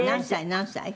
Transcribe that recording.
何歳？」